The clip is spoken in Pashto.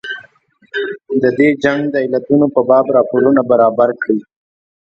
د دې جنګ د علتونو په باب راپورونه برابر کړي.